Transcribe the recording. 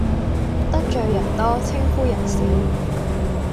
得罪人多稱呼人少